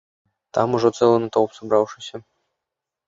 Там ужо цэлы натоўп сабраўшыся.